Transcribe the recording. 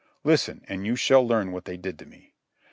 Listen, and you shall learn what they did to me.